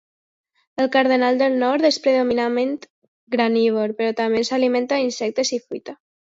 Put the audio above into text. El cardenal del nord és predominantment granívor, però també s'alimenta d'insectes i fruita.